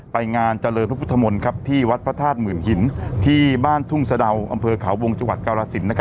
ไปงานเจริญพระพุทธมนตร์ที่วัดพระธาตุหมื่นหินที่บ้านทุ่งสะดาวอำเภอเขาวงจังหวัดกรสิน